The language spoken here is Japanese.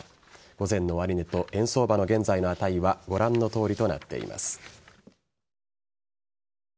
午前の終値と円相場の現在の値はご覧のとおりとなっています。